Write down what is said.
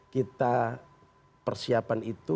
kita persiapkan itu